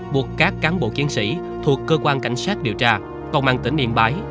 buộc các cán bộ chiến sĩ thuộc cơ quan cảnh sát điều tra công an tỉnh yên bái